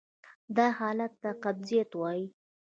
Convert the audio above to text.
دا حالت ته قبضیت وایې.